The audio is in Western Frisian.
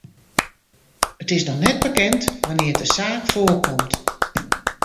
It is noch net bekend wannear't de saak foarkomt.